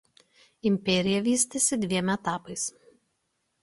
Imperija vystėsi dviem etapais.